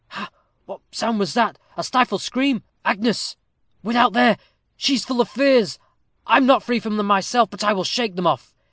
Ha! what sound was that? A stifled scream! Agnes! without there! She is full of fears. I am not free from them myself, but I will shake them off.